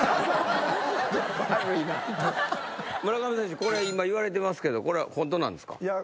村上選手これいわれてますけどこれホントなんですか？